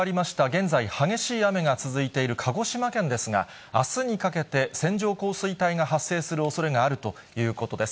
現在、激しい雨が続いている鹿児島県ですが、あすにかけて線状降水帯が発生するおそれがあるということです。